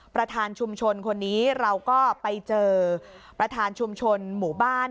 ประธานชุมชนคนนี้เราก็ไปเจอประธานชุมชนหมู่บ้าน